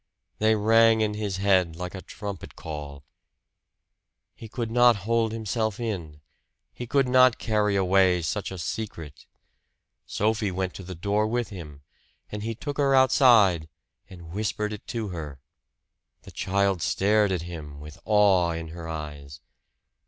They rang in his head like a trumpet call. He could not hold himself in. He could not carry away such a secret. Sophie went to the door with him; and he took her outside and whispered it to her. The child stared at him, with awe in her eyes.